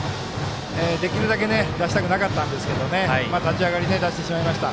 できるだけ出したくなかったんですが立ち上がり出してしまいました。